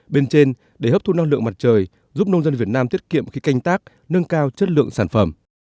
bên trên để hấp thu năng lượng mặt trời giúp nông dân việt nam tiết kiệm khi canh tác nâng cao chất lượng sản phẩm